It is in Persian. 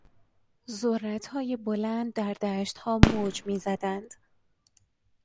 ذرتهای بلند در دشتها موج میزدند.